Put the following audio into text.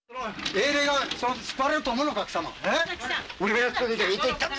英霊が救われると思うのか貴様！